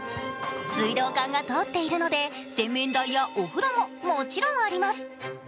水道管が通っているので洗面台やお風呂ももちろんあります。